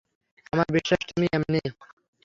আমার বিশ্বাস তুমি এমনই।